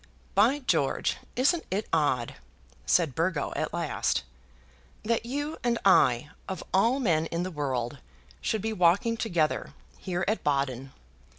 "By George! isn't it odd," said Burgo, at last, "that you and I, of all men in the world, should be walking together here at Baden?